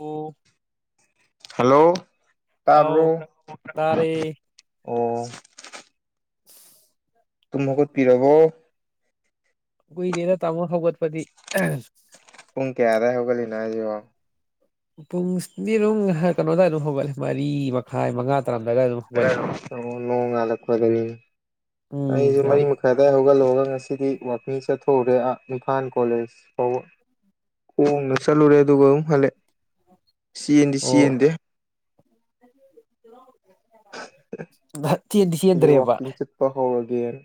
ꯑꯣ ꯍꯜꯂꯣ ꯇꯕ꯭ꯔꯣ ꯍꯥꯎ ꯇꯥꯔꯦ ꯑꯣ [unintelligible] ꯇꯨꯝ ꯍꯧꯒꯠꯄꯤꯔꯕꯣ ꯀꯣꯏꯗꯦꯔ ꯇꯥꯃꯣ ꯍꯒꯠꯄꯗꯤ ꯄꯨꯡ ꯀꯌꯥꯋꯥꯏ ꯍꯧꯒꯠꯂꯤꯅꯣ ꯍꯥꯏꯁꯤꯕꯣ ꯄꯨꯡꯁꯤꯗꯤ ꯑꯗꯨꯅꯨꯡ ꯀꯩꯅꯣꯗꯥꯏ ꯑꯗꯨꯝ ꯍꯧꯒꯠꯂꯦ ꯃꯔꯤ ꯃꯈꯥꯏ ꯃꯉꯥ ꯝꯕꯗꯕꯨꯂꯦ ꯅꯣꯡꯉꯥꯜꯂꯛꯄꯗꯅꯤ ꯎꯝ ꯑꯩꯁꯦ ꯌꯥꯝ ꯃꯔꯤ ꯃꯈꯥꯏꯗ ꯍꯧꯒꯠꯂꯛꯑꯒ ꯉꯁꯤꯗꯤ ꯋꯥ ꯆꯠꯊꯣꯛ ꯍꯧꯔꯦ ꯏꯝꯐꯥꯜ ꯀꯣꯂꯦꯖ ꯐꯥꯎ ꯍꯣꯡꯅ ꯆꯠꯂꯨꯔꯦ ꯑꯗꯨꯒ ꯑꯃꯝꯛ ꯍꯜꯂꯛ ꯆꯟꯗꯤ ꯆꯟꯗꯦ ꯊ ꯇ ꯀꯟ ꯇ꯭ꯔꯕ ꯒꯦꯔ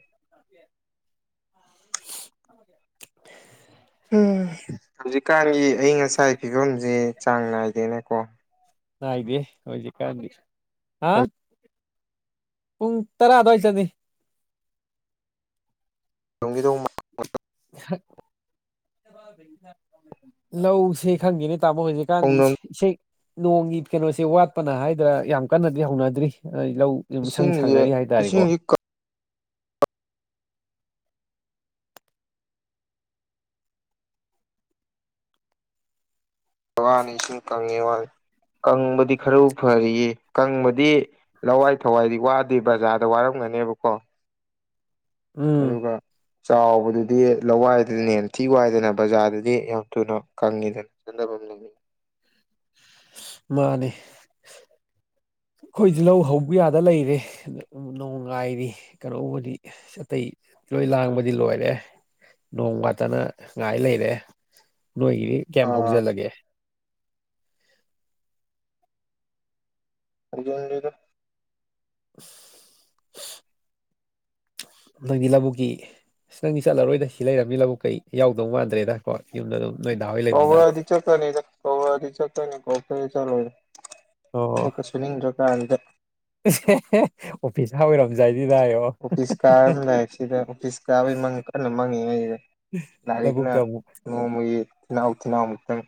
ꯎꯝ ꯍꯧꯖꯤꯛꯀꯥꯟꯒꯤ ꯑꯌꯤꯡ ꯑꯁꯥꯒꯤ ꯐꯤꯕꯝꯁꯦ ꯆꯥꯡ ꯅꯥꯏꯗꯦꯅꯦꯀꯣ ꯍꯗꯦ ꯍꯣꯏꯖ ꯀ ꯍꯥ ꯄꯨꯡ ꯇꯔꯥ ꯑꯗꯨꯋꯥꯏ ꯆꯠꯅꯤ ꯇꯣꯡꯒꯤꯤꯗ ꯂꯧꯁꯦ ꯈꯪꯒꯦꯅꯦ ꯇꯥꯕ ꯍꯧꯖꯤꯛꯀꯥꯟꯗꯤ ꯍꯧꯅꯝ ꯏꯁꯩ ꯅꯣꯡꯒꯤ ꯀꯩꯅꯣꯁꯦ ꯋꯥꯠꯄꯅ ꯍꯥꯏꯗ꯭ꯔꯥ ꯌꯥꯝ ꯀꯟꯅꯗꯤ ꯍꯧꯅꯗ꯭ꯔꯤ ꯂꯧ ꯏꯁꯪ ꯏꯁꯤꯡꯁꯦ ꯁꯪꯅꯔꯤ ꯍꯥꯏꯇꯥꯔꯦꯀꯣ ꯏꯁꯤꯡꯁꯦ ꯕꯥꯅꯤꯁꯨꯨꯝ ꯀꯪꯉꯦ ꯋꯥ ꯀꯪꯕꯗꯤ ꯈꯔ ꯐꯔꯤꯌꯦ ꯀꯪꯕꯗꯤ ꯂꯋꯥꯏ ꯊꯋꯥꯏꯗꯤ ꯋꯥꯗꯦ ꯕꯖꯥꯔꯗ ꯋꯥꯔꯝ ꯃꯅꯦꯕꯀꯣ ꯎꯝ ꯑꯗꯨꯒ ꯆꯥꯎꯕꯗ ꯑꯗꯨꯗꯤ ꯂꯋꯥꯏꯗꯅꯦ ꯌꯥꯝꯊꯤ ꯋꯥꯏꯗꯅ ꯕꯖꯥꯔꯗꯗꯤ ꯌꯥꯝ ꯊꯨꯅ ꯀꯪꯉꯤꯗꯅ ꯆꯅꯐꯝꯅꯦ [unintelligible] ꯃꯥꯅꯦ ꯑꯩꯈꯣꯏꯖꯤꯤꯜꯍꯧ ꯍꯧꯕ ꯌꯥꯗ ꯂꯩꯔꯦ ꯅꯅꯨꯡꯉꯥꯏꯔꯤ ꯀꯩꯅꯣꯕꯨꯗꯤ ꯑꯇꯩ ꯂꯣꯏ ꯂꯥꯡꯕꯗꯤ ꯂꯣꯏꯔꯦ ꯅꯣꯡ ꯋꯥꯇꯅ ꯉꯥꯏ ꯂꯩꯔꯦ ꯅꯣꯏꯒꯤꯗꯤ ꯀꯌꯥꯝ ꯑꯥ ꯍꯧꯖꯤꯜꯂꯒꯦ ꯑꯗꯨꯦꯗ [unintelligible] ꯅ ꯏꯂꯕꯨꯣ ꯀ ꯑꯁ ꯅꯪꯗꯤ ꯆꯠꯂꯔꯣꯏꯗ ꯁꯤ ꯂꯩꯔꯝꯅꯤ ꯂꯕꯨꯛ ꯀꯩ ꯌꯥꯎꯗꯧ ꯃꯥꯟꯗ꯭ꯔꯦꯗꯀꯣ ꯌꯨꯝꯗ ꯑꯗꯨꯝ ꯅꯣꯏ ꯗꯥ ꯍꯣꯏ ꯂꯩꯕꯅꯤꯅ ꯀꯧꯔꯗꯤ ꯆꯀꯅꯤ ꯀꯧꯥꯗꯤ ꯆꯀꯅꯤ ꯀꯧꯈ ꯆꯂ ꯑꯣ ꯑꯣꯐꯤꯁ ꯑꯣꯏꯔꯣꯝꯖꯏ ꯑꯣꯐꯤꯁ ꯀꯥꯔ ꯑꯃꯗꯥꯏ ꯁꯤꯗ ꯑꯣꯐꯤꯁ ꯀꯥꯕꯒꯤ ꯀꯟꯅ ꯃꯪꯉꯤ ꯍꯥꯏꯁꯤꯗ ꯂꯥꯏꯔꯤꯛꯅ ꯂꯧꯕꯨꯛꯇ ꯑꯃꯨꯛ ꯅꯣꯡꯃꯒꯤ ꯊꯤꯜꯅꯥꯎ ꯊꯤꯜꯅꯥꯎ ꯑꯃꯨꯛꯇꯪ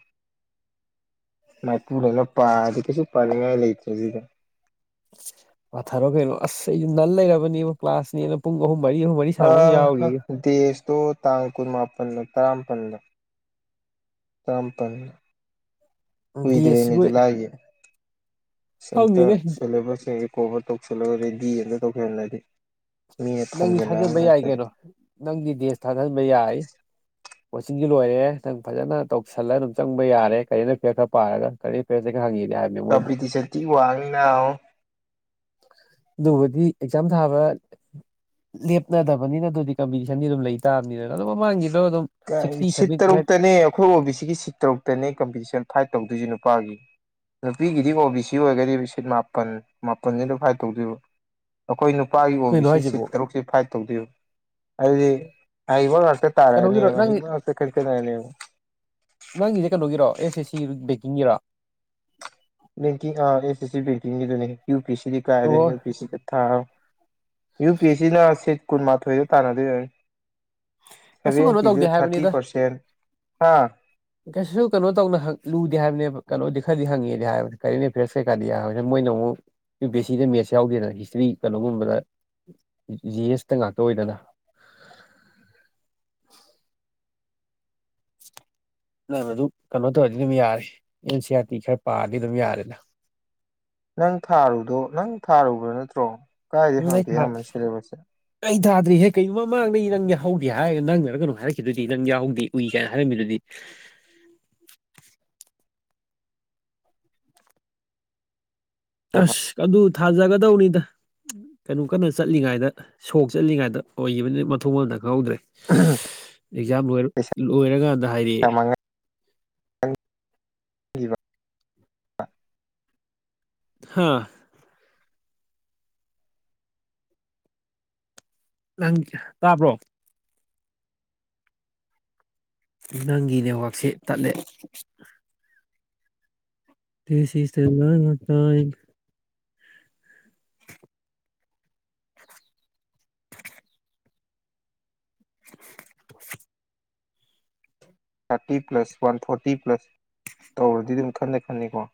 ꯃꯥꯏꯄꯨꯗꯅ ꯄꯥꯗꯤ ꯀꯩꯁꯨ ꯄꯥꯅꯤꯡꯉꯥꯏ ꯂꯩꯇ꯭ꯔꯦ ꯁꯤꯗ ꯄꯊꯔꯣ ꯀꯩꯅꯣ ꯑꯁ ꯑꯩ ꯅꯟ ꯂꯩꯔꯕꯅꯦꯕ ꯀ꯭ꯂꯥꯁꯅꯦꯅ ꯄꯨꯡ ꯑꯍꯨꯝ ꯃꯔꯤ ꯑꯍꯨꯝ ꯃꯔꯤ ꯑ ꯁꯥꯡꯕ ꯑꯃ ꯌꯥꯎꯔꯤꯌꯦ ꯗꯦꯁꯇꯣ ꯇꯥꯡ ꯀꯨꯟꯃꯥꯄꯜꯗ ꯇꯔꯥꯃꯥꯄꯜꯗ ꯇꯄ ꯗꯦꯁꯁꯤꯕꯨ ꯀꯨꯏꯗꯅꯤꯗꯨ ꯂꯥꯏꯦ ꯁꯝꯇ ꯈꯪꯗꯦꯅꯦ ꯁꯤꯂꯦꯕꯁꯁꯤꯡ ꯔꯤꯀꯣꯚꯔ ꯇꯧꯁꯤꯜꯂꯒ ꯔꯦꯗꯤ ꯑ ꯑꯃꯇ ꯇꯧꯁꯤꯜꯍꯜꯂꯔꯤ ꯅꯪꯗꯤ ꯊꯥꯖꯟꯕ ꯌꯥꯏ ꯀꯩꯅꯣ ꯅꯪꯗꯤ ꯗꯦꯁ ꯊꯥꯖꯟꯕ ꯌꯥꯏ ꯀꯣꯆꯤꯡꯁꯤ ꯂꯣꯏꯔꯦ ꯅꯪ ꯐꯖꯅ ꯇꯧꯁꯤꯜꯂꯒ ꯑꯗꯨꯝ ꯆꯪꯕ ꯌꯥꯔꯦ ꯀꯔꯤꯅ ꯐꯤꯔ ꯈꯔ ꯄꯥꯔꯒ ꯀꯔꯤ ꯐꯤꯔꯁꯦ ꯈꯔ ꯍꯪꯉꯤ ꯀꯄꯤ ꯇ ꯁꯇꯤ ꯋꯥꯡꯅ ꯑꯗꯨꯕꯨꯗꯤ ꯑꯦꯛꯖꯥꯝ ꯊꯥꯕ ꯂꯦꯞꯅꯗꯕꯅꯤꯅ ꯑꯗꯨꯗꯤ ꯀꯝꯄꯤꯇꯤꯁꯟꯗꯤ ꯑꯗꯨꯝ ꯂꯩ ꯇꯥꯕꯅꯤꯗꯅ ꯑꯗꯨꯝ ꯃꯃꯥꯡꯒꯤ ꯁꯤꯠ ꯇꯔꯨꯛꯇꯅꯦ ꯑꯩꯈꯣꯏ ꯑꯣꯕꯤ ꯁꯤꯒꯤ ꯁꯤꯠ ꯇꯔꯨꯛꯇꯅꯦ ꯀꯝꯄꯤꯇꯤꯁꯟ ꯐꯥꯏꯠ ꯇꯧꯗꯣꯏꯁꯤꯅꯣ ꯅꯨꯄꯥꯒꯤ ꯅꯨꯄꯤꯒꯤꯗꯤ ꯑꯣ ꯕꯤ ꯁꯤ ꯑꯣꯏꯒꯗꯤ ꯁꯤꯠ ꯃꯥꯄꯟ ꯃꯥꯄꯟꯁꯤ ꯑꯗꯨ ꯐꯥꯏꯕ ꯇꯧꯗꯣꯏꯕ ꯑꯩꯈꯣꯏ ꯅꯨꯄꯥꯒꯤ ꯑꯣ ꯕꯤ ꯀꯩꯅꯣ ꯁꯤ ꯁꯤꯠ ꯍꯥꯏꯁꯤꯕꯣ ꯇꯔꯨꯛꯁꯤ ꯐꯥꯏꯠ ꯇꯧꯗꯣꯏꯨ ꯑꯗꯨꯗꯤ ꯑꯕ ꯉꯥꯛꯇ ꯀꯩꯅꯣꯒꯤꯔꯣ ꯇꯥꯔꯛꯑꯅꯦꯕ ꯅꯪꯒꯤ ꯍꯩꯕ ꯉꯥꯛꯇ ꯈꯟꯀꯠꯅꯔꯅꯦꯕ ꯅꯪꯒꯤꯁꯦ ꯀꯩꯅꯣꯒꯤꯔꯣ ꯑꯦꯁꯦ ꯁꯤ ꯏꯤꯔꯥ ꯦꯡ ꯑꯦꯅꯤ ꯌ ꯄ ꯀꯥ ꯑꯣ ꯌ ꯄ ꯀ ꯊꯥ ꯌꯨ ꯄꯤ ꯑꯦꯁ ꯁꯤꯅ ꯁꯤꯠ ꯀꯨꯟꯃꯥꯊꯣꯏꯗ ꯇꯥꯟꯅꯗꯣꯏ ꯌꯥꯅꯤ ꯀꯩꯁꯨ ꯀꯩꯅꯣ ꯁꯚꯦꯟꯇꯤꯗꯨ ꯇꯧꯗꯦ ꯊꯥꯔꯇꯤ ꯍꯥꯏꯕꯅꯤꯗ ꯄꯔꯁꯦꯟ ꯍꯥ ꯀꯩꯁꯨ ꯀꯩꯅꯣ ꯇꯧꯅ ꯂꯨꯗꯦ ꯍꯥꯏꯕꯅꯦꯕ ꯀꯩꯅꯣꯗꯤ ꯈꯔꯗꯤ ꯍꯪꯉꯦꯗꯤ ꯍꯥꯏꯕ ꯀꯔꯤ ꯐꯦꯁ ꯀꯩꯀꯥꯗꯤ ꯍꯥꯏ ꯃꯣꯏꯅ ꯑꯃꯨꯛ ꯌꯨ ꯄꯤ ꯑꯦꯁ ꯁꯤꯗ ꯃꯦꯠꯁ ꯌꯥꯎꯗꯦꯗꯅ ꯍꯤꯁꯇ꯭ꯔꯤ ꯀꯩꯅꯣꯒꯨꯝꯕꯗ ꯖꯤ ꯑꯦꯁꯇ ꯉꯥꯛꯇ ꯑꯣꯏꯗꯅ [unintelligible] ꯃꯗꯨ ꯀꯩꯅꯣ ꯇꯧꯔꯗꯤ ꯑꯗꯨꯝ ꯌꯥꯔꯦ ꯑꯦꯟ ꯁꯤ ꯑꯥꯔ ꯇꯤ ꯈꯔ ꯄꯥꯔꯗꯤ ꯑꯗꯨꯝ ꯌꯥꯔꯦꯗ ꯅꯪ ꯊꯥꯔꯨꯗꯣ ꯅꯪ ꯊꯥꯔꯨꯕ꯭ꯔꯥ ꯅꯠꯇ꯭ꯔꯣ ꯀꯥꯏꯗꯩ ꯎꯝ ꯑꯩ ꯍꯪꯉꯛꯀꯦ ꯊ ꯑꯌꯥꯝꯕꯅ ꯁꯤꯂꯦꯕꯁꯁꯦ ꯑꯩ ꯊꯥꯗ꯭ꯔꯤꯍꯦ ꯀꯔꯤꯒꯨꯝ ꯃꯃꯥꯡꯗ ꯏꯔꯪꯒꯦ ꯍꯧꯦ ꯕꯤ ꯅꯪꯗꯅ ꯀꯩꯅꯣ ꯍꯥꯏꯔꯛꯈꯤꯗꯨꯗꯤ ꯅꯪ ꯌꯥꯎꯍꯧꯗꯦ ꯎꯏ ꯀꯥꯏꯅ ꯍꯥꯏꯔꯝꯃꯤꯗꯨꯗꯤ ꯑ ꯑꯁ ꯑꯗꯨ ꯊꯥꯖꯒꯗꯧꯅꯤꯗ ꯀꯩꯅꯣ ꯀꯟꯅ ꯆꯠꯂꯤꯉꯩꯗ ꯁꯣꯛ ꯆꯠꯂꯤꯉꯥꯏꯗ ꯑꯣꯏꯈꯤꯕꯅꯤ ꯃꯊꯣꯡ ꯃꯗ ꯈꯪꯍꯧꯗ꯭ꯔꯦ ꯑꯦꯛꯖꯥꯝ ꯄꯩꯁꯥ ꯂꯣꯏꯔꯀꯥꯟꯗ ꯍꯥꯏꯗꯤ ꯕ ꯍꯥꯥ ꯅꯪ ꯇꯥꯕ꯭ꯔꯣ ꯅꯪꯒꯤ ꯅꯦꯠꯋꯥꯛꯁꯦ ꯇꯠꯂꯦ ꯇ ꯁꯤꯁꯇ ꯉ ꯇ [unintelligible] thirty plus one forty plus ꯇꯧꯔꯗꯤ ꯑꯗꯨꯝ ꯈꯟꯅ ꯈꯅꯤꯀꯣ [unintelligible]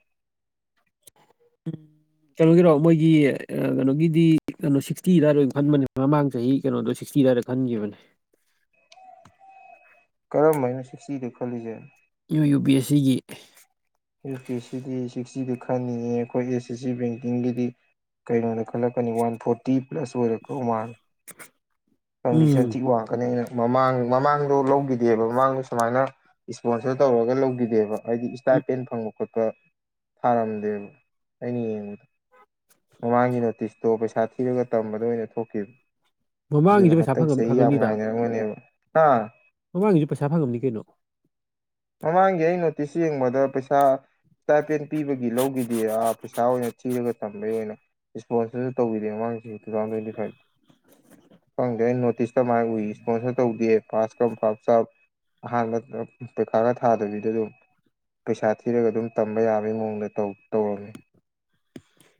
ꯎꯝ ꯀꯩꯅꯣꯒꯤꯔꯣ ꯃꯣꯏꯒꯤ ꯀꯩꯅꯣꯒꯤꯗꯤ ꯀꯩꯅꯣ ꯁꯤꯛꯁꯇꯤꯗꯥꯏꯔ ꯈꯟꯕꯅꯦ ꯃꯃꯥꯡ ꯆꯍꯤ ꯀꯩꯅꯣꯗꯣ ꯁꯤꯇꯤ ꯀꯤꯔꯔꯦ ꯈꯟꯈꯤꯕꯅꯦ [unintelligible] ꯀꯔ ꯃꯥꯏꯅꯁꯨ ꯁꯤꯤꯗꯦ ꯈꯣꯂꯤꯖꯦ ꯌꯨ ꯌꯨ ꯕꯤ ꯑꯦꯁ ꯁꯤꯒꯤ ꯌꯨ ꯄꯤ ꯁꯤꯗꯤ ꯁꯤꯛꯁꯇꯤꯗ ꯈꯟꯅꯤꯡꯉꯦ ꯑꯩꯈꯣꯏ ꯑꯦꯁ ꯑꯦꯁ ꯁꯤ ꯕꯦꯡꯀꯤꯡꯒꯤꯗꯤ ꯀꯩꯅꯣꯗ ꯈꯜꯂꯛꯀꯅꯤ ꯋꯥꯟ ꯐꯣꯔꯇꯤ ꯄ꯭ꯂꯁ ꯑꯣꯏꯔꯛꯄ ꯋꯥꯟ ꯀꯟꯗꯤꯁꯟ ꯎꯝ ꯊꯤ ꯋꯥꯡꯀꯅꯤ ꯑꯩꯅ ꯃꯃꯥꯡ ꯃꯃꯥꯡꯗꯣ ꯂꯧꯈꯤꯗꯦꯕ ꯃꯃꯥꯡꯗꯣ ꯁꯨꯃꯥꯏꯅ ꯏꯁꯄꯣꯟꯁꯔ ꯇꯧꯔꯒ ꯂꯧꯈꯤꯗꯦꯕ ꯍꯥꯏꯗꯤ ꯎꯝ ꯏꯁꯇꯥꯥꯏꯠ ꯄꯦꯟ ꯐꯪꯕ ꯈꯣꯠꯄ ꯊꯥꯔꯝꯗꯦꯕ ꯑꯩꯅ ꯌꯦꯡꯕꯗ ꯃꯃꯥꯡꯒꯤ ꯅꯣꯇꯤꯁꯇꯣ ꯄꯩꯁꯥ ꯊꯤꯔꯒ ꯇꯝꯕꯗ ꯑꯣꯏꯅ ꯊꯣꯛꯈꯤꯕ ꯃꯃꯥꯡꯒꯤꯁꯨ ꯑꯗꯨꯅ ꯄꯩꯁꯥ ꯍꯟꯇꯛꯁꯦ ꯐꯪꯉꯝ ꯑꯩ ꯌꯥꯝ ꯐꯪꯉꯝꯅꯤꯗ ꯉꯥꯏꯅꯔꯝꯒꯨꯅꯦꯕ ꯍꯥ ꯃꯃꯥꯡꯒꯤꯁꯨ ꯄꯩꯁꯥ ꯐꯪꯉꯝꯅꯤ ꯀꯩꯅꯣ ꯃꯃꯥꯡꯒꯤ ꯑ ꯅꯣꯇꯤꯁ ꯌꯦꯡꯕꯗ ꯄꯩꯁꯥ ꯄꯦꯟ ꯄꯤꯕꯒꯤ ꯂꯧꯈꯤꯗ ꯑꯥ ꯄꯩꯁꯥ ꯑꯣꯏꯅ ꯊꯤꯔꯒ ꯊꯝꯕꯒꯤ ꯑꯣꯏꯅ ꯏꯁꯄꯣꯟꯁꯔꯁꯨ ꯇꯧꯕꯤꯔꯦ ꯃꯃꯥꯡꯁꯤ ꯇꯨ ꯊꯥꯎꯖꯟ ꯇ꯭ꯋꯦꯟꯇꯤ ꯐꯥꯏꯚꯇ ꯐꯪꯗꯦ ꯑꯩꯅ ꯅꯣꯇꯤꯁꯇ ꯃꯥꯥꯏ ꯎꯏ ꯏꯁꯄꯣꯟꯁꯔ ꯇꯧꯗꯦ ꯐꯥꯁ ꯀꯝ ꯐꯞ ꯆꯞ ꯑꯍꯥꯟꯕ ꯄꯩꯈꯥꯒ ꯊꯥꯗꯕꯤꯗ ꯑꯗꯨꯝ ꯄꯩꯁꯥ ꯊꯤꯔꯒ ꯑꯗꯨꯝ ꯇꯝꯕ ꯌꯥꯕꯒꯤ ꯃꯑꯣꯡꯗ ꯇꯧꯔꯝꯃꯤ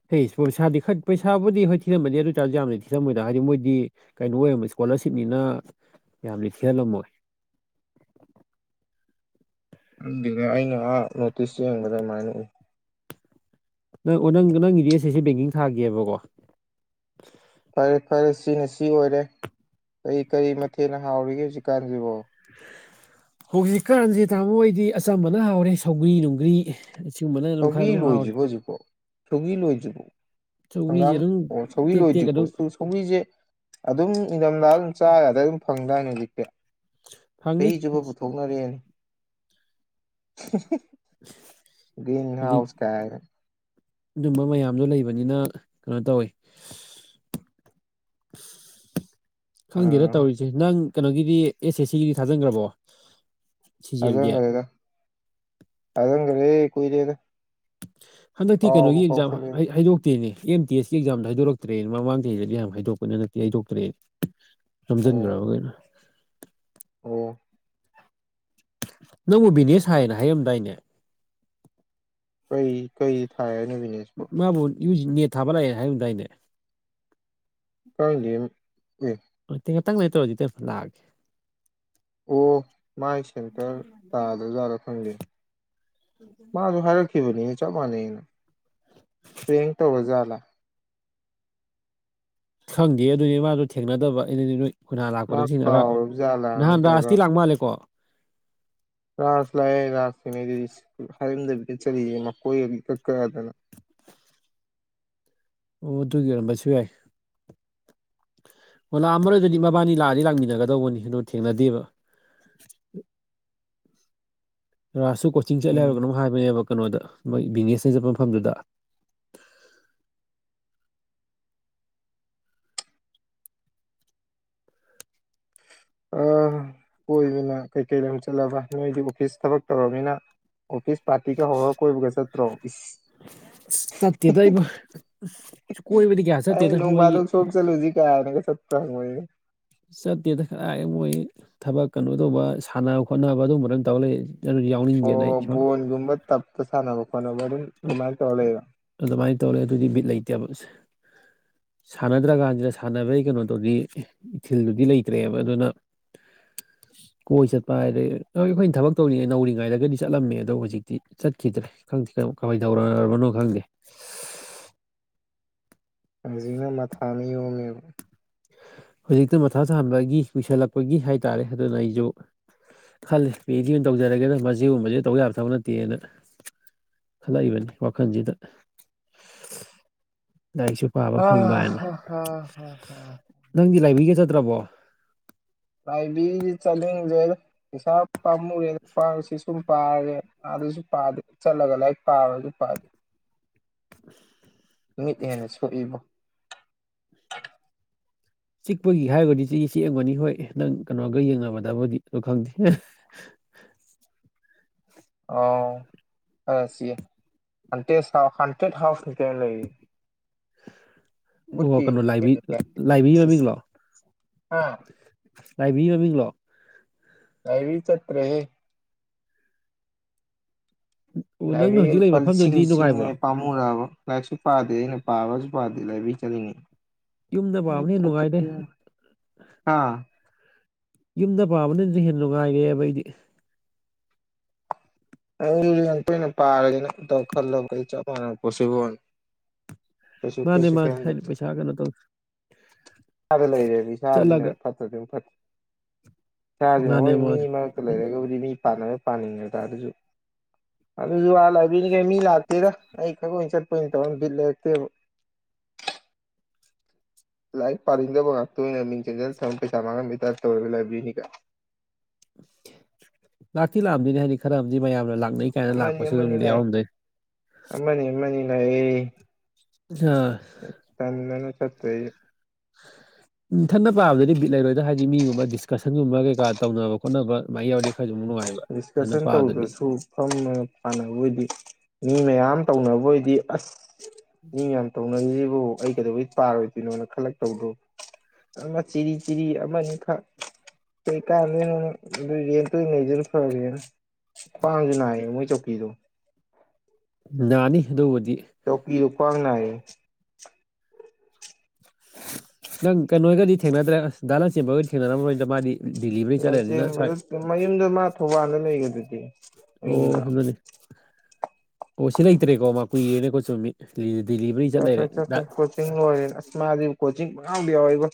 ꯍꯦ ꯏꯁ ꯄꯣꯁꯥꯗꯤ ꯈꯠ ꯄꯩꯁꯥꯕꯨꯗꯤ ꯍꯣꯏ ꯊꯤꯂꯝꯝꯃꯗꯤ ꯑꯗꯨ ꯆꯥꯔꯁꯨ ꯌꯥꯝꯅ ꯊꯤꯔꯝꯃꯣꯏꯗ ꯍꯥꯏꯗꯤ ꯃꯣꯏꯗꯤ ꯀꯩꯅꯣ ꯑꯣꯏꯔꯝꯃꯦ ꯏꯁꯀꯣꯂꯔꯁꯤꯞꯅꯤꯅ ꯌꯥꯝꯅ ꯊꯤꯍꯜꯂꯝꯃꯣꯏ [unintelligible] ꯑꯗꯨꯗ ꯑꯩꯅ ꯑꯥ ꯅꯣꯇꯤꯁꯁ ꯌꯦꯡꯕꯗ ꯑꯗꯨꯃꯥꯏꯅ ꯎꯏ ꯅꯪ ꯅꯪ ꯅꯪꯒꯤ ꯗꯤ ꯑꯦꯁ ꯁꯤꯁꯤ ꯕꯦꯡꯀꯤꯡ ꯊꯥꯒꯦꯕꯀꯣ ꯐꯔꯦ ꯐꯔꯦ ꯁꯤꯅ ꯁꯤ ꯑꯣꯏꯔꯦ ꯀꯔꯤ ꯀꯔꯤ ꯃꯊꯦꯜꯅ ꯍꯥꯎꯔꯤꯒꯦ ꯍꯧꯖꯤꯛꯀꯥꯟꯁꯤꯕꯣ ꯍꯧꯖꯤꯛꯀꯥꯟꯁꯦ ꯇꯥꯃꯣ ꯍꯣꯏꯗꯤ ꯑꯆꯝꯕꯅ ꯍꯥꯎꯔꯦ ꯁꯧꯒ꯭ꯔꯤ ꯅꯨꯡꯒ꯭ꯔꯤ ꯁꯤꯒꯨꯝꯕꯅ ꯑꯗꯨꯝ ꯈꯔ ꯊꯒꯤ ꯑꯗꯨꯝ ꯂꯣꯏ ꯍꯥꯎꯔꯦ ꯕ ꯕ ꯊꯒꯤ ꯂꯣꯏꯖꯕ ꯁꯧꯒ꯭ꯔꯤꯁꯦ ꯍꯪꯒꯥꯝ ꯑꯗꯨꯝ ꯑꯣ ꯁꯧꯒꯔꯤ ꯇꯦꯛ ꯇꯦꯛ ꯂꯣꯏꯗ꯭ꯔꯤꯀꯣ ꯑꯗꯨꯝ ꯁ ꯁꯧꯒꯔꯤꯁꯦ ꯑꯗꯨꯝ ꯏꯊꯝꯗꯥꯥ ꯑꯗꯨꯝ ꯆꯥꯒꯗ ꯑꯗꯨꯝ ꯐꯪꯗꯥꯏꯅꯦ ꯍꯧꯖꯤꯛꯇꯤ ꯐꯪꯉꯤ ꯆꯍꯤ ꯆꯨꯞꯕ ꯄꯨꯊꯣꯛꯅꯔꯦꯅꯤ [unintelligible] ꯔꯤꯟ ꯍꯧꯖꯤꯛ ꯍꯁ ꯀ ꯑꯗꯨꯝꯕ ꯃꯌꯥꯝꯗꯣ ꯂꯩꯕꯅꯤꯅ ꯀꯩꯅꯣ ꯇꯧꯋꯤ [unintelligible] ꯈꯪꯗꯦꯗ ꯑꯥ ꯇꯧꯔꯤꯁꯦ ꯅꯪ ꯀꯩꯅꯣꯒꯤꯗꯤ ꯑꯦꯁ ꯑꯦꯁ ꯁꯤꯒꯤꯗꯤ ꯊꯥꯖꯤꯟꯈ꯭ꯔꯕꯣ ꯑ ꯁꯤꯖꯦꯜꯒꯤ ꯀꯔꯤꯗ ꯑꯗꯨ ꯀꯔꯤ ꯀꯣꯏꯔꯦꯗ ꯍꯟꯗꯛꯇꯤ ꯀꯩꯅꯣꯒꯤ ꯑꯦꯛꯖꯥꯝ ꯍꯥꯏꯗꯣꯛꯇꯦꯅꯦ ꯑꯦꯝ ꯇꯤ ꯑꯦꯁꯀꯤ ꯑꯦꯛꯖꯥꯝꯗ ꯍꯥꯏꯗꯣꯔꯛꯇ꯭ꯔꯦꯅ ꯃꯃꯥꯡ ꯆꯍꯤꯗꯗꯤ ꯌꯥꯝ ꯍꯥꯏꯗꯣꯛꯄꯅ ꯅꯠꯇꯦ ꯍꯥꯏꯗꯣꯛꯇ꯭ꯔꯦꯗꯤ ꯑꯣ ꯔꯝꯖꯟꯒ꯭ꯔꯕꯒꯦꯅ ꯑꯣ ꯅꯪꯕꯨ ꯕꯤꯅꯦꯁ ꯍꯥꯏꯅ ꯍꯥꯏꯔꯝꯗꯥꯏꯅꯦ ꯀꯩ ꯀꯩ ꯊꯥꯏꯅꯕꯤꯅꯦꯁꯄ ꯃꯥꯕꯨ ꯌꯨ ꯅꯦꯠ ꯊꯥꯕ ꯂꯥꯛ ꯍꯥꯏꯌꯨꯗꯥꯏꯅꯦ ꯈꯪꯗꯤꯌꯦ ꯉꯦꯛꯇꯪ ꯂꯩꯔꯒ ꯇꯧꯔꯁ ꯏꯇꯩꯃ ꯂꯥꯛꯑꯒꯦ ꯑꯣ ꯃꯥꯏ ꯁꯦꯟꯇꯔ ꯇꯥꯗ꯭ꯔꯖꯥꯠꯂ ꯈꯪꯗꯦ ꯃꯥ ꯑꯗꯨ ꯍꯥꯏꯔꯛ ꯕꯨꯅꯤ ꯆꯞ ꯃꯥꯅꯩꯅ ꯄ꯭ꯔꯦꯡ ꯇꯧꯔꯤꯖꯠꯂ ꯈꯪꯗꯦ ꯑꯗꯨꯅꯤ ꯃꯥꯗꯣ ꯊꯦꯡꯅꯗꯕ ꯑꯩꯅ ꯅꯣꯏ ꯈꯣꯏꯅꯥ ꯃꯥ ꯂꯥꯛꯄꯗꯁꯨ ꯊꯦꯡꯅꯔꯒ ꯀꯥꯎꯔꯕ ꯖꯥꯠꯂꯥ ꯅꯍꯥꯟ ꯔꯥꯖꯇꯤ ꯂꯥꯛ ꯃꯥꯜꯂꯦꯀꯣ ꯔꯥꯁ ꯂꯥꯛꯑꯦ ꯔꯥꯁ ꯊꯦꯡꯅꯩꯗꯨꯗꯤ ꯍꯥꯏꯔꯝꯗꯕꯤꯗ ꯆꯠꯂꯤꯗꯨꯗꯤ ꯃꯀꯣꯏ ꯑꯅꯤ ꯏꯀꯛ ꯀꯛꯂꯗꯅ [inaudible] ꯑꯣ ꯑꯗꯨꯒꯤ ꯑꯣꯏꯔꯝꯕꯁꯨ ꯌꯥꯏ ꯑꯣ ꯂꯥꯛꯑꯃꯔꯣꯏ ꯑꯗꯨꯗꯤ ꯃꯕꯥꯅꯤ ꯂꯥꯛꯑꯗꯤ ꯂꯥꯡꯃꯤꯟꯅꯒꯗꯧꯕꯅꯤ ꯑꯗꯣ ꯊꯦꯡꯅꯗꯦꯕ [inaudible] ꯔꯥꯥꯁꯁꯨ ꯀꯣꯆꯤꯡ ꯆꯠꯂꯦ ꯍꯥꯏꯕꯔ ꯀꯩꯅꯣꯝ ꯍꯥꯏꯕꯅꯦꯕ ꯀꯩꯅꯣꯗ ꯃꯣꯏ ꯕꯤꯅꯤꯁ ꯍꯩꯖꯤꯡꯄꯣ ꯃꯐꯝꯗꯨꯗ ꯑ ꯀꯣꯏꯕꯅ ꯀꯩꯀꯩꯗ ꯆꯠꯂꯕ ꯅꯣꯏꯗꯤ ꯑꯣꯐꯤꯁ ꯊꯕꯛ ꯇꯧꯔꯕꯅꯤꯅ ꯑꯣꯐꯤꯁ ꯄꯥꯇꯤ ꯗꯣ ꯍꯧꯔꯒ ꯀꯣꯏꯕꯒ ꯆꯇ꯭ꯔꯣ ꯏꯁ ꯆꯠꯇꯦꯗ ꯏꯕꯣ ꯑꯩ ꯅꯣꯡ ꯐꯥꯗꯣꯛ ꯁꯣꯝ ꯆꯠꯂꯨꯖꯤ ꯀꯥꯏꯅ ꯒ ꯆꯠꯄ꯭ꯔ ꯍꯪꯕꯅꯤꯗ ꯆꯠꯇꯦꯗ ꯀꯗꯥꯏ ꯃꯣꯏ ꯊꯕꯛ ꯀꯩꯅꯣ ꯇꯧꯕ ꯁꯥꯟꯅꯕ ꯈꯣꯠꯅꯕ ꯑꯗꯨꯒꯨꯝꯕꯗ ꯇꯧꯔ ꯂꯩ ꯑꯗꯨꯗꯤ ꯌꯥꯎꯅꯤꯡꯗꯦꯅ ꯑꯣ ꯑꯩ ꯕꯣꯟꯒꯨꯝꯕ ꯇꯞꯇ ꯁꯥꯟꯅꯕ ꯈꯣꯠꯅꯕ ꯑꯗꯨꯝ ꯑꯗꯨꯃꯥꯏꯅ ꯇꯧꯔ ꯂꯩꯔꯣ ꯑꯗꯨꯃꯥꯏꯅ ꯇꯧꯔꯦ ꯑꯗꯨꯗꯤ ꯕꯤꯠ ꯂꯩꯇꯦꯕ ꯁꯥꯟꯅꯗ꯭ꯔ ꯀꯥꯟꯁꯤꯗ ꯁꯥꯟꯅꯕꯒꯤ ꯀꯩꯅꯣ ꯇꯧꯕꯤ ꯏꯊꯤꯜꯗꯨꯗꯤ ꯂꯩꯇ꯭ꯔꯦꯕ ꯑꯗꯨꯅ [inaudible] ꯀꯣꯏ ꯆꯠꯄ ꯍꯥꯏꯔꯦ ꯑ ꯑꯩꯈꯣꯏꯅ ꯊꯕꯛ ꯇꯧꯔꯤꯉꯩ ꯅꯧꯔꯤꯉꯩꯗꯒꯗꯤ ꯆꯠꯂꯝꯃꯦ ꯑꯗꯣ ꯍꯧꯖꯤꯛꯇꯤ ꯆꯠꯈꯤꯗ꯭ꯔꯦ ꯈꯪꯗꯦ ꯀꯗꯧꯅꯔꯕꯅꯣ ꯈꯪꯗꯦ ꯍꯧꯖꯤꯛꯅ ꯃꯊꯥꯅ ꯌꯣꯝꯃꯦꯕ ꯍꯧꯖꯤꯛꯇꯤ ꯃꯊꯥ ꯁꯥꯕꯒꯤ ꯀꯨꯏꯁꯜꯂꯛꯄꯒꯤ ꯍꯥꯏꯇꯔꯦ ꯑꯗꯨꯅ ꯑꯩꯁꯨ ꯈꯜꯂꯤ ꯄꯤꯑꯖꯗꯤ ꯑꯣꯏꯅ ꯇꯧꯖꯔꯒꯦꯅ ꯃꯁꯤꯒꯨꯝꯕꯁꯤ ꯇꯧ ꯌꯥꯕ ꯊꯕꯛ ꯅꯠꯇꯦꯅ ꯈꯂꯛ ꯏꯕꯅꯤ ꯋꯥꯈꯜꯁꯤꯗ [inaudible] ꯂꯥꯏꯔꯤꯛꯁꯨ ꯄꯥꯕ ꯑ ꯐꯪꯕ ꯍꯥꯏꯅ ꯍꯥ ꯍꯥ ꯍꯥ ꯍꯥ ꯅꯪꯗꯤ ꯂꯥꯏꯕ꯭ꯔꯤ ꯒ ꯆꯠꯇ꯭ꯔꯕꯣ ꯂꯥꯏꯕ꯭ꯔꯤ ꯖꯦ ꯆꯠꯅꯤꯡꯗꯦꯗ ꯄꯩꯁꯥ ꯄꯥꯝꯃꯨꯔꯦꯗ ꯄꯥꯜꯁ ꯁꯨꯝ ꯄꯥꯔꯦ ꯑꯗꯁꯨ ꯄꯥꯗꯦ ꯆꯠꯂꯒ ꯂꯥꯏꯔꯤꯛ ꯄꯥꯕꯁꯨ ꯄꯥꯗꯦ ꯃꯤꯠ ꯍꯦꯟꯅ ꯁꯣꯛꯏꯕꯣ ꯆꯤꯛꯄꯒꯤ ꯍꯥꯏꯔꯨꯒꯗꯤ ꯆꯤꯛꯇꯤ ꯆꯤꯛꯂꯝꯒꯅꯤ ꯍꯣꯏ ꯅꯪ ꯀꯩꯅꯣꯒ ꯌꯦꯡꯅꯕꯗꯕꯨꯗꯤ ꯑꯗꯨ ꯈꯪꯗꯦ [inaudible] ꯑꯣ ꯈꯔ ꯁꯤꯛꯑꯦ ꯍꯟꯇꯦꯁ ꯍꯥꯎ ꯍꯟꯇꯦꯠ ꯍꯥꯎꯁ ꯅꯦ ꯀꯩꯅꯣ ꯂꯩꯔꯤꯗꯣ ꯑꯣ ꯀꯩꯅꯣ ꯂꯥꯏꯕ꯭ꯔꯤ ꯂꯥꯏꯕ꯭ꯔꯤ ꯁꯤꯁ ꯃꯃꯤꯡꯂꯣ ꯍꯥ ꯂꯥꯏꯕ꯭ꯔꯤ ꯃꯃꯤꯡꯂꯣ ꯂꯥꯏꯕ꯭ꯔꯤ ꯆꯠꯇ꯭ꯔꯦꯍꯦ ꯑꯣ ꯂꯥꯏꯕ꯭ꯔꯤ ꯅꯪꯅ ꯍꯧꯖꯤꯛ ꯂꯨꯄꯥ ꯂꯩꯔꯤꯕ ꯂꯤꯁꯤꯡ ꯃꯐꯝꯗꯨꯗꯤ ꯂꯤꯁꯤꯡꯅꯦ ꯅꯨꯡꯉꯥꯏꯕ꯭ꯔꯣ ꯄꯥꯝꯃꯨꯔ ꯑꯕ ꯂꯥꯏꯔꯤꯛꯁꯨ ꯄꯥꯗꯦ ꯑꯩꯅ ꯄꯥꯕꯁꯨ ꯄꯥꯗꯦ ꯂꯥꯏꯕ꯭ꯔꯤ ꯆꯠꯂꯤꯅꯦꯅ ꯌꯨꯝꯗ ꯄꯥꯕꯅ ꯍꯦꯟꯅ ꯅꯨꯡꯉꯥꯏꯔꯦ [inaudible] ꯑꯥ ꯌꯨꯝꯗ ꯄꯥꯕꯅ ꯅꯗꯤ ꯍꯦꯟꯅ ꯅꯨꯡꯉꯥꯑꯦꯕ ꯑꯩꯗꯤ ꯑꯩ ꯂꯥꯏꯔꯤꯛ ꯇꯩ ꯑꯣꯏꯅ ꯄꯔꯥꯒꯦꯗꯈꯜꯂꯕ ꯆꯞ ꯃꯅꯥꯕ ꯄꯣꯠꯁꯤꯕꯨ ꯀꯩꯁꯨ ꯃꯥꯅꯦ ꯀꯩꯁꯨ ꯃꯥꯅꯦ ꯍꯥꯏꯗꯤ ꯈꯦꯅꯗꯦꯗ ꯄꯩꯁꯥ ꯀꯩꯅꯣ ꯇꯧ ꯏꯁꯥꯗ ꯂꯩꯔꯦꯕ ꯏꯁꯥꯁꯤꯅ ꯆꯠꯂꯒ ꯐꯠꯇ꯭ꯔꯗꯤ ꯑꯗꯨꯝ ꯐꯠꯇ꯭ꯔꯦ ꯏꯁꯥꯁꯦ ꯃꯥꯅꯦ ꯍꯣꯏ ꯃꯤ ꯃꯥꯅꯦ ꯃꯔꯛꯇ ꯂꯩꯔꯒꯕꯨꯗꯤ ꯃꯤ ꯄꯥꯟꯅꯔ ꯄꯥꯅꯤꯡꯉꯦ ꯑꯗꯨꯁꯨ ꯑꯗꯨꯁꯨ ꯋꯥ ꯂꯥꯏꯕ꯭ꯔꯤꯅꯤ ꯀꯥꯏ ꯃꯤ ꯂꯥꯛꯇꯦꯗ ꯑꯩ ꯇꯪ ꯑꯣꯏꯅ ꯆꯠꯄ ꯑꯣꯏꯅ ꯇꯧꯔ ꯕꯤꯠ ꯂꯩꯔꯛꯇꯦꯕ [inaudible] ꯂꯥꯏꯔꯤꯛ ꯄꯥꯅꯤꯡꯗꯕ ꯉꯥꯛꯇ ꯑꯣꯏꯅ ꯃꯤꯡ ꯆꯟꯁꯤꯜꯂ ꯊꯝꯃ ꯄꯩꯁꯥ ꯃꯥꯡꯍꯟꯕꯩ ꯇꯥꯏꯞ ꯇꯧꯋꯦꯕ ꯂꯥꯏꯕ꯭ꯔꯤꯅꯤ ꯀꯥꯏ꯫ [inaudible] ꯂꯥꯛꯇꯤ ꯂꯥꯛꯑꯝꯗꯣꯏꯅꯦ ꯍꯥꯏꯗꯤ ꯈꯔ ꯑꯃꯗꯤ ꯃꯌꯥꯝꯅ ꯂꯥꯛꯅꯩ ꯀꯥꯏꯅ ꯑꯃꯅꯤ ꯂꯥꯛꯄꯁꯨ ꯑꯗꯨꯝ ꯑꯃꯅꯤ ꯌꯥꯎꯔꯝꯗꯣꯏꯅꯤ꯫ ꯑꯩ ꯑ [unintelligible] ꯏꯊꯟꯇ ꯄꯥꯕꯗꯗꯤ ꯕꯤꯠ ꯂꯩꯔꯣꯏꯗ ꯍꯥꯏꯗꯤ ꯃꯤꯒꯨꯝꯕ ꯗꯤꯁꯀꯁꯟꯒꯨꯝꯕ ꯀꯩꯀꯥ ꯇꯧꯅꯕ ꯈꯣꯠꯅꯕ ꯑꯗꯨꯃꯥꯏꯅ ꯌꯥꯎꯔꯤ ꯗꯤꯁꯀꯁꯟ ꯇꯧꯗ꯭ꯔꯁꯨ ꯐꯝꯗꯅ ꯄꯥꯟꯅꯕ ꯑꯣꯏꯗꯤ ꯃꯤ ꯃꯌꯥꯝ ꯇꯧꯅꯕ ꯑꯣꯏꯗꯤ ꯑꯁ ꯃꯤ ꯌꯥꯝ ꯇꯧꯅ ꯑꯗꯨ ꯑꯩ ꯀꯩꯗꯧꯕꯩ ꯄꯥꯔꯣꯏꯗꯣꯏꯅꯣꯅ ꯈꯜꯂꯛꯇꯧꯗꯣ ꯑꯃ ꯆꯤꯔꯤ ꯆꯤꯔꯤ ꯑꯃ ꯑꯅꯤꯈꯛ ꯀꯩꯀꯥꯟꯗꯣꯏꯅ ꯑꯗꯨ ꯔꯦꯟꯇ ꯂꯩꯗꯣꯏꯅꯨ [unintelligible] ꯈ꯭ꯋꯥꯡꯁꯨ ꯅꯥꯏꯌꯦ ꯃꯣꯏ ꯆꯧꯀꯤꯗꯣ ꯅꯅꯤ ꯗꯨꯕꯨꯗꯤ ꯇꯧꯀꯤꯗꯣ ꯈ꯭ꯋꯥꯡ ꯅꯥꯏꯌꯦ ꯅꯪ ꯀꯩꯅꯣꯏꯒꯗꯤ ꯊꯦꯡꯅꯗ꯭ꯔꯦ ꯑꯖ ꯗꯥ ꯂꯟꯆꯦꯟꯕꯒꯗꯤ ꯊꯦꯡꯅꯔꯝꯃꯣꯏꯗ ꯃꯥꯗꯤ ꯗꯤꯂꯤꯚꯔꯤ ꯆꯠ ꯂꯩꯔꯕꯅꯤꯅ ꯁ꯭ꯋꯥꯏ ꯂꯟꯆꯦꯟꯕꯗꯣ ꯃꯌꯨꯝꯗ ꯃꯥ ꯊꯧꯕꯥꯜꯗ ꯂꯩꯒꯗꯨꯗꯤ ꯑꯣ ꯃꯌꯨꯝꯗ ꯑꯗꯨꯅꯅꯤ ꯑꯣ ꯁꯤ ꯂꯩꯇ꯭ꯔꯦꯀꯣ ꯃꯥ ꯀꯨꯏꯌꯦꯅꯦꯀꯣ ꯆꯨꯝꯃꯤ ꯗꯤꯂꯤꯚꯔꯤ ꯆꯠ ꯂꯩꯔꯦ ꯆꯠꯄꯅꯤ ꯗꯥ ꯆꯠꯄꯅꯤ ꯀꯣꯆꯤꯡ ꯂꯣꯏꯔꯦ ꯑꯖ ꯃꯗꯤ ꯀꯣꯆꯤꯡ ꯄꯪ ꯌꯥꯎꯗ ꯌꯥꯎꯋꯦꯕꯣ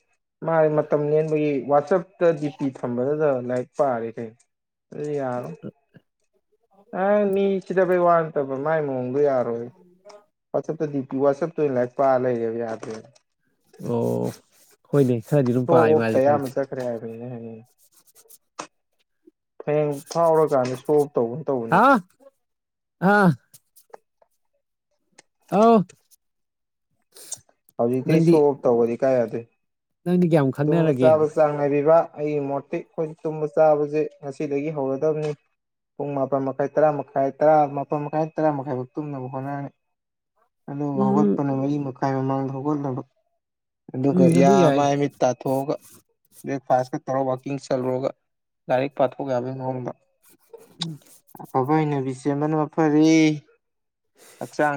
ꯃꯥꯗꯤ ꯃꯇꯝ ꯂꯦꯟꯕꯒꯤ ꯋꯥꯆꯞꯇ ꯗꯤ ꯄꯤ ꯊꯝꯕꯗꯗ ꯂꯥꯏꯔꯤꯛ ꯄꯥꯔꯦ ꯀꯩꯅꯣ ꯑꯗꯨꯗꯤ ꯌꯥꯔꯣꯏ ꯑꯪ ꯃꯤ ꯁꯤꯗꯕꯩ ꯋꯥ ꯅꯠꯇꯕ ꯃꯥꯏ ꯃꯑꯣꯡꯗꯣ ꯌꯥꯔꯣꯏ ꯋꯥꯆꯞꯇ ꯗꯤ ꯋꯥꯆꯦꯞꯇ ꯑꯣꯏ ꯂꯥꯏꯔꯤꯛ ꯄꯥ ꯂꯩꯔꯦꯕ ꯌꯥꯗ꯭ꯔꯦ ꯑꯣ ꯍꯣꯏꯅꯦ꯫ ꯈꯔꯗꯤ ꯑꯗꯨꯝ ꯄꯥꯏ ꯁꯣꯑꯣꯞ ꯇ ꯃꯥꯗꯤ ꯈꯪꯉꯤ ꯑꯌꯥꯝꯕ ꯆꯠꯈ꯭ꯔꯦ ꯍꯥꯏꯕꯅꯤ ꯑꯩꯅ ꯍꯥꯏꯅꯤ ꯍꯌꯦꯡ ꯐꯥꯎꯔꯀꯥꯟꯗ ꯁꯣꯞ ꯍꯥꯥ ꯑꯥ ꯑꯥꯎ ꯍꯧꯖꯤꯛꯇꯤ ꯁꯣ ꯑꯣꯐ ꯇꯧꯕꯗꯤ ꯀꯥꯏ ꯌꯥꯗꯣꯏꯅꯣ ꯅꯪꯗꯤ ꯀꯌꯥꯝ ꯇꯨꯝꯕ ꯈꯪꯅꯔꯒꯦ ꯆꯥꯕ ꯆꯥꯡ ꯅꯥꯏꯕꯤꯕ ꯑꯩꯒꯤ ꯃꯣꯠꯇꯤ ꯑꯩꯈꯣꯏꯗꯤ ꯇꯨꯝꯕ ꯆꯥꯕꯁꯦ ꯉꯁꯤꯗꯒꯤ ꯍꯧꯔꯗꯕꯅꯤ ꯄꯨꯡ ꯃꯥꯄꯟ ꯃꯈꯥꯏ ꯇꯔꯥ ꯃꯈꯥꯏ ꯇꯔꯥ ꯃꯥꯄꯜ ꯃꯈꯥꯏ ꯇꯔꯥ ꯃꯈꯥꯏꯐꯥꯎ ꯇꯨꯝꯅꯕ ꯍꯣꯠꯅꯔꯅꯤ ꯑꯗꯨꯒ ꯎꯝ ꯍꯧꯒꯠꯄꯅ ꯃꯔꯤ ꯃꯈꯥꯏ ꯃꯃꯥꯡꯗ ꯍꯧꯒꯠꯂꯕ ꯑꯗꯨꯒ ꯎꯝ ꯌꯥ ꯑꯗꯨ ꯌꯥꯏ ꯃꯥꯏꯃꯤꯠ ꯇꯥꯊꯣꯛꯑꯒ ꯕ꯭ꯔꯦꯛꯐꯥꯁ ꯀ ꯇꯧꯔ ꯋꯥꯛꯀꯤꯡ ꯆꯠꯂꯨꯔꯒ ꯂꯥꯏꯔꯤꯛ ꯄꯥꯊꯣꯛ ꯌꯥꯕꯒꯤ ꯃꯑꯣꯡꯗ ꯑꯐꯕ ꯍꯩꯅꯕꯤ ꯁꯦꯝꯕꯅ ꯃꯐꯥꯔꯦ ꯍꯛꯆꯥꯡ